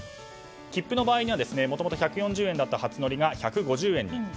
切符の場合にはもともと１４０円だった初乗りが１５０円に。